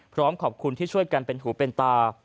พร้อมขอบคุณที่ช่วยกันเป็นหูเป็นตา